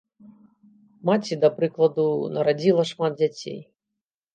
Маці, да прыкладу, нарадзіла шмат дзяцей.